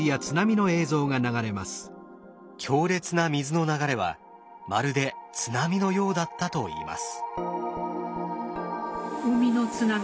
強烈な水の流れはまるで津波のようだったといいます。